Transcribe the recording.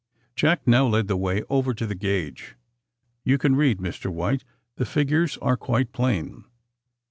Jack now led the way over to the gange. ''You can read, Mr. White. The figures are quite plain."